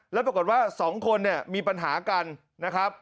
แล้วปรากฏว่า๒คนเนี่ยมีปัญหากันนะครับ